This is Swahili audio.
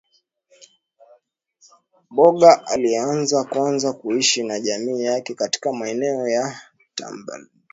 Mbago aliyeanza kwanza kuishi na jamii yake katika maeneo ya tambalare kusini ya Uluguru